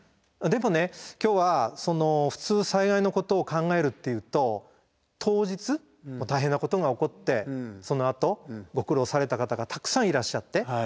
でもね今日は普通災害のことを考えるっていうと当日大変なことが起こってそのあとご苦労された方がたくさんいらっしゃって。